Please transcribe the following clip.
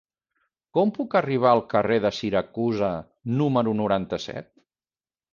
Com puc arribar al carrer de Siracusa número noranta-set?